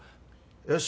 よし。